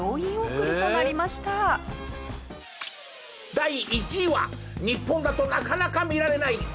第１位は日本だとなかなか見られない驚きの光景！